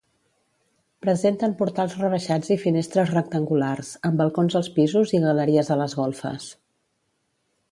Presenten portals rebaixats i finestres rectangulars, amb balcons als pisos i galeries a les golfes.